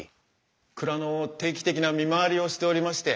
蔵の定期的な見回りをしておりまして。